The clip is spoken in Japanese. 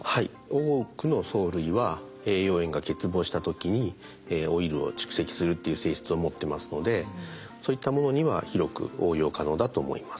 多くの藻類は栄養塩が欠乏した時にオイルを蓄積するっていう性質を持ってますのでそういったものには広く応用可能だと思います。